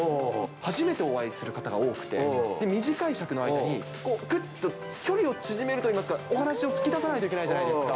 初めてお会いする方が多くて、短い尺の間に、ぐっと距離を縮めるといいますか、お話を聞き出さないといけないじゃないですか。